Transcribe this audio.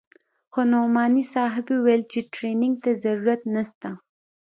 خو نعماني صاحب وويل چې ټرېننگ ته ضرورت نسته.